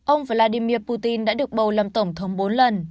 ông vladimir putin đã được bầu làm tổng thống bốn lần